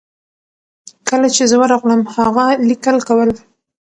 کله چې زه ورغلم هغه لیکل کول.